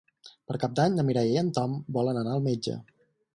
Per Cap d'Any na Mireia i en Tom volen anar al metge.